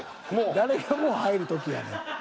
誰がもう入る時やねん。